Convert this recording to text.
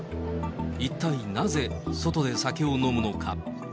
一体なぜ、外で酒を飲むのか。